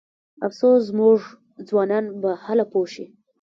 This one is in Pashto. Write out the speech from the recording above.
افسوس زموږ ځوانان به هله پوه شي.